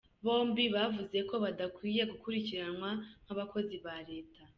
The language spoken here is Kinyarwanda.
Bombi bavuze ko badakwiye gukurikiranwa nk’abakozi ba Leta